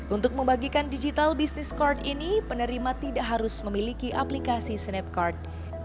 untuk membagikan digital business card ini penerima tidak harus memiliki aplikasi snapcard